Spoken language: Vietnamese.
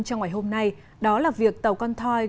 trong ngày hôm nay đó là việc tàu con thoi